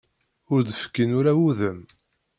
Ur d-fkin ara udem.